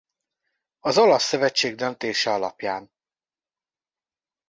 Az olasz szövetség döntése alapján.